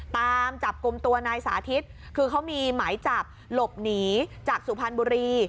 ตามจับกลุ่มตัวนายสาธิตคือเขามีหมายจับหลบหนีจากสุพรรณบุรี